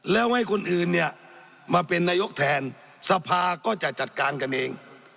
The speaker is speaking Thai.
แล้วให้คนอื่นเนี่ยมาเป็นนายกแทนสภาก็จะจัดการกันเอง